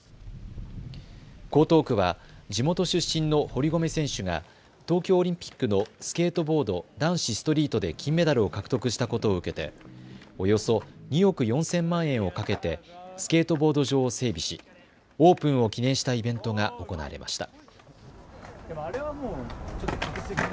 江東区は地元出身の堀米選手が東京オリンピックのスケートボード男子ストリートで金メダルを獲得したことを受けて、およそ２億４０００万円をかけてスケートボード場を整備しオープンを記念したイベントが行われました。